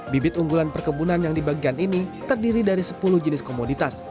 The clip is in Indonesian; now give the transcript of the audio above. bibit unggulan perkebunan yang dibagikan ini terdiri dari sepuluh jenis komoditas